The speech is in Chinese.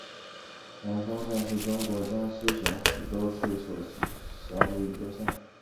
南丰县是中国江西省抚州市所辖的一个县。